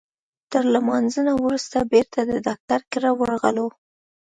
تر لمانځه وروسته بیرته د ډاکټر کره ورغلو.